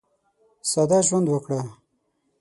ساده ژوند وکړه.